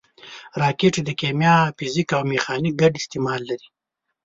راکټ د کیمیا، فزیک او میخانیک ګډ استعمال لري